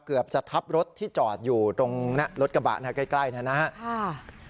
เกือบจะทับรถที่จอดอยู่ตรงหน้ารถกระบะใกล้นะครับ